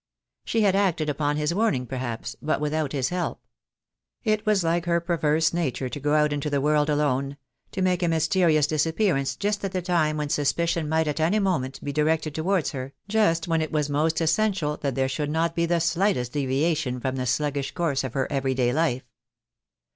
She had acted upon his warning perhaps, but without his help. It was like her perverse nature to go out into the world alone, to make a mysterious disappearance just at the time when suspicion might at any moment be directed towards her, just when it was most essential that there should be not the slightest deviation from the sluggish course of her every day life.